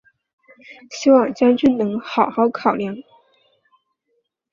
希望将军能好好考量！